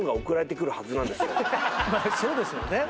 そうですよね。